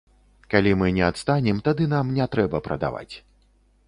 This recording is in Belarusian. Калі мы не адстанем, тады нам не трэба прадаваць.